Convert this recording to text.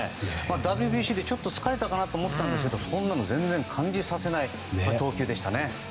ＷＢＣでちょっと疲れたかなと思ったんですけどそんなの全然感じさせない投球でしたね。